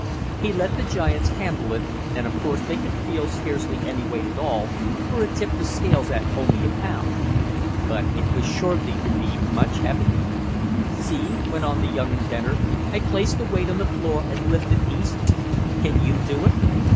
He let the giants handle it, and of course they could feel scarcely any weight at all, for it tipped the scales at only a pound. But it was shortly to be much heavier. "See," went on the young inventor. "I place the weight on the floor, and lift it easily. Can you do it?"